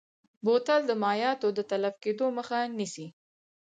بوتل د مایعاتو د تلف کیدو مخه نیسي.